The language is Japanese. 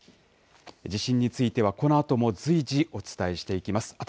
地震についてはこのあとも随時お伝えしていきます。